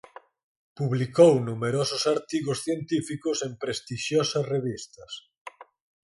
Publicou numerosos artigos científicos en prestixiosas revistas.